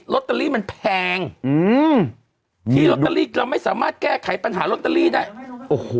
ล็อตเตอรี่มันแพงอืมที่เราไม่สามารถแก้ไขปัญหาล็อตเตอรี่ได้โอ้โห